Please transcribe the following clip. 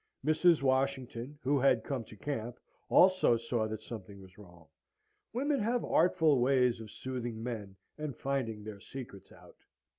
Mrs. Washington, who had come to camp, also saw that something was wrong. Women have artful ways of soothing men and finding their secrets out.